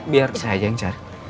biar saya aja yang cari